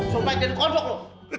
sumpah jangan kodok loh